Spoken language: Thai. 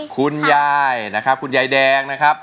คุณยายนะครับคุณยายแดงนะครับ